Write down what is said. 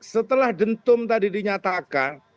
setelah dentum tadi dinyatakan